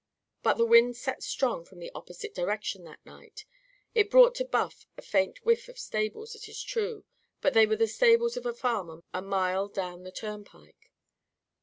But the wind set strong from the opposite direction that night. It brought to Buff a faint whiff of stables, it is true; but they were the stables of a farm a mile down the turnpike.